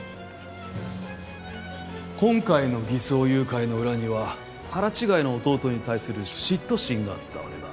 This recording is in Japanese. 今回の偽装誘拐の裏には腹違いの弟に対する嫉妬心があったわけだ。